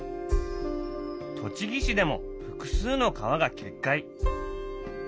栃木市でも複数の川が決壊。